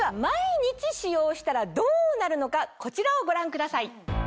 毎日使用したらどうなるのかこちらをご覧ください。